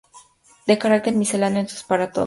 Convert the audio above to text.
De carácter misceláneo es su "Para todos.